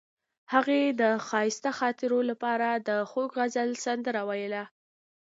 هغې د ښایسته خاطرو لپاره د خوږ غزل سندره ویله.